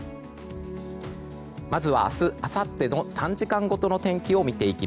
まずは明日、あさっての３時間ごとの天気です。